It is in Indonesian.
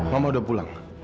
mama udah pulang